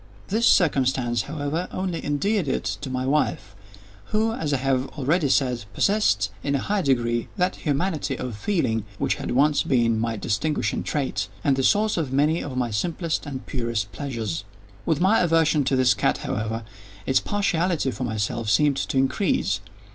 This circumstance, however, only endeared it to my wife, who, as I have already said, possessed, in a high degree, that humanity of feeling which had once been my distinguishing trait, and the source of many of my simplest and purest pleasures. With my aversion to this cat, however, its partiality for myself seemed to increase.